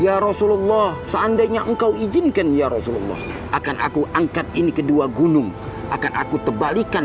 ya rasulullah seandainya engkau izinkan ya rasulullah akan aku angkat ini kedua gunung akan aku tebalikan